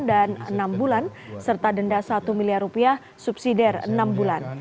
dan enam bulan serta denda satu miliar rupiah subsidi enam bulan